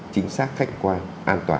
chính xác khách quan an toàn